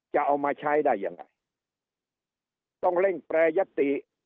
จะเอามาใช้ได้ยังไงต้องเร่งแปรยติ